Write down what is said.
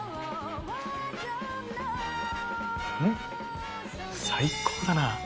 うん、最高だな。